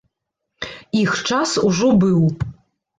Іх час ужо быў.